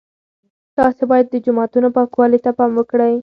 تاسي باید د جوماتونو پاکوالي ته پام وکړئ.